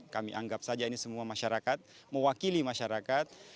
kami anggap saja ini semua masyarakat mewakili masyarakat